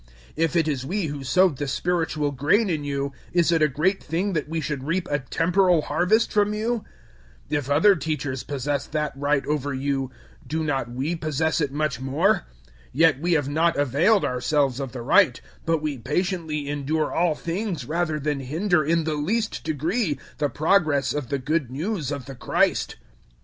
009:011 If it is we who sowed the spiritual grain in you, is it a great thing that we should reap a temporal harvest from you? 009:012 If other teachers possess that right over you, do not we possess it much more? Yet we have not availed ourselves of the right, but we patiently endure all things rather than hinder in the least degree the progress of the Good News of the Christ.